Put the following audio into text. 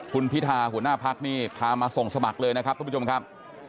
คุณพิธาหัวหน้าพักนี่พามาส่งสมัครเลยนะครับทุกผู้ชมครับ